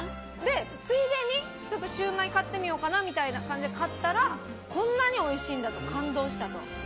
ついでに焼売買ってみようかなみたいな感じで買ったらこんなにおいしいんだと感動したと。